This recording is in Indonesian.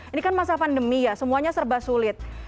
ini kan masa pandemi ya semuanya serba sulit